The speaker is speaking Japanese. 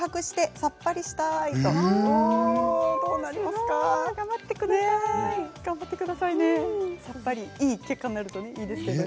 さっぱりいい結果になるといいですね。